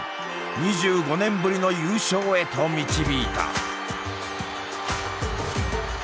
２５年ぶりの優勝へと導いた。